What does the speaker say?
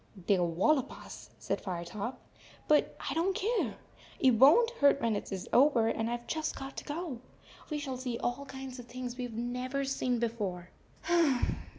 " "They 11 wallop us," said Firetop, "but I don t care. It won t hurt when it is over, and I Ve just got to go. We shall see all kinds of things that we Ve never seen before."